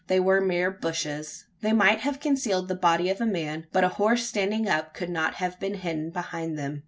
They were mere bushes. They might have concealed the body of a man; but a horse standing up could not have been hidden behind them.